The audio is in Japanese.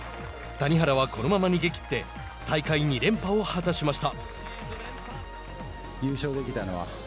谷原はこのまま逃げ切って大会２連覇を果たしました。